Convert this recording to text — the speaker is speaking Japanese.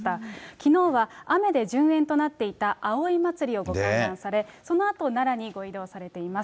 きのうは雨で順延となっていた葵祭をご観覧され、そのあと奈良にご移動されています。